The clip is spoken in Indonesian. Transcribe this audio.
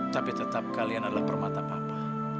tapi tetap kalian adalah permata papa